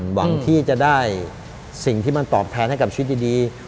หวังที่จะได้สิ่งที่มันตอบแทนให้กับชีวิตดี